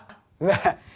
ini kan lihat sendiri